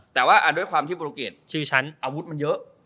แต่ว่าด้วยความที่โปรตูเกรดอาวุธมันเยอะ